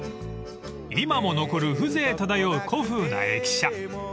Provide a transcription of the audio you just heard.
［今も残る風情漂う古風な駅舎］